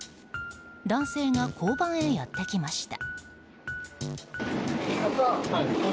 男性が交番へやってきました。